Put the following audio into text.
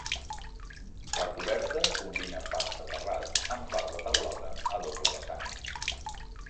La coberta combina parts de terrat amb parts de teulada a doble vessant.